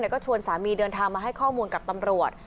ก็ชวนสามีเดินทางมาให้ข้อมูลกับตำรวจ